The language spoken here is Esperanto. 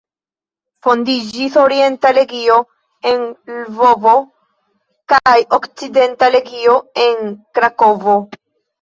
Fondiĝis Orienta Legio en Lvovo kaj Okcidenta Legio en Krakovo.